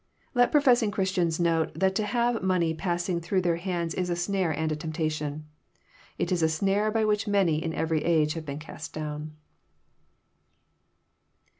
Let professing Christians note that to have money passing through their hands is a snare and a temptation. It is a snare by which many in every age have been cast down.